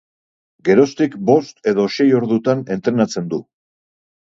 Geroztik bost edo sei ordutan entrenatzen du.